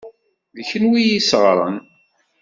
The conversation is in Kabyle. D kunwi i y-isseɣren.